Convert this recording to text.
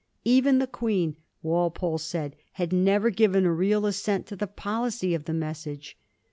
Even the Queen, Walpole said, had never given a real assent to the policy of the message.